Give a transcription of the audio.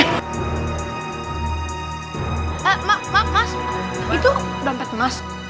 eh ma ma mas itu dompet mas